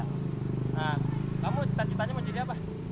nah kamu cita citanya menjadi apa